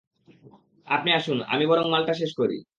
আপনি আসুন আমি বরং মালটা শেষ করি।